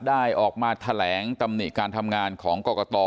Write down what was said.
ได้ออกมาแถลงตำหนิการทำงานของกรกต